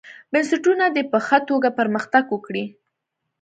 بنسټونه دې په ښه توګه پرمختګ وکړي.